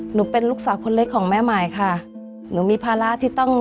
หนูเป็นลูกสาวคนเล็กของแม่ใหม่ค่ะหนูมีภาระที่ต้อง